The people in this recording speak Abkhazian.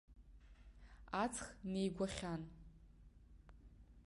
Аҵх неигәахьан.